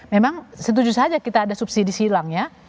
memang setuju saja kita ada subsidi silang ya